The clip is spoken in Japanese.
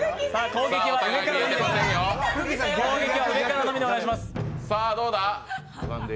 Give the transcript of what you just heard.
攻撃は上からのみでお願いします。